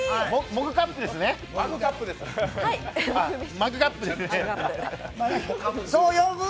マグカップです！